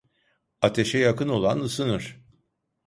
Ateşe yakın olan, ısınır!